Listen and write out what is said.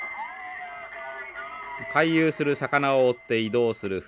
回遊する魚を追って移動する船。